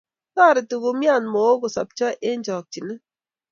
Toreti kumiat Mook kosobcho eng chokchinet